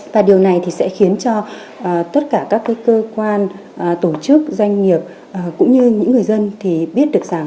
và điều này thì sẽ khiến cho tất cả các cơ quan tổ chức doanh nghiệp cũng như những người dân thì biết được rằng